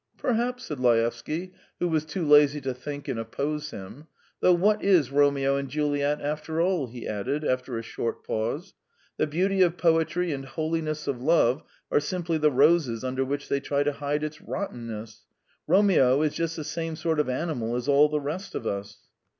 "Perhaps," said Laevsky, who was too lazy to think and oppose him. "Though what is 'Romeo and Juliet' after all?" he added after a short pause. "The beauty of poetry and holiness of love are simply the roses under which they try to hide its rottenness. Romeo is just the same sort of animal as all the rest of us."